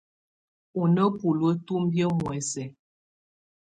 Ú ná buluǝ́ tumbiǝ́ muɛsɛ.